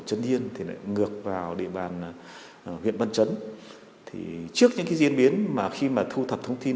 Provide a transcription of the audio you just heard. sẽ chỉ là cá nhân